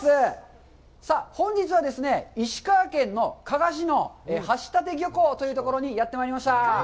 さあ、本日はですね、石川県の加賀市の橋立漁港というところにやってまいりました。